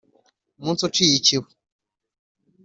Umunsi uciye ikibuye